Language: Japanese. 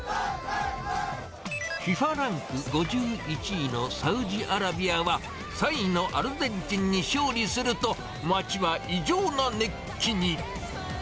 ＦＩＦＡランク５１位のサウジアラビアは、３位のアルゼンチンに勝利すると、街は異常な熱気に。